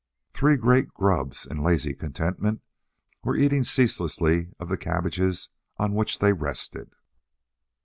Three great grubs, in lazy contentment, were eating ceaselessly of the cabbages on which they rested.